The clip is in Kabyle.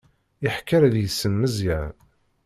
Iḥekker deg-sen Meẓyan.